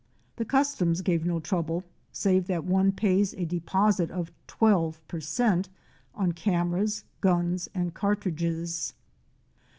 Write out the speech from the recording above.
The customs give no trouble, save that one pays a deposit of twelve per cent on cameras, guns and cartridges.